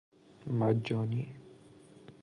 مجانی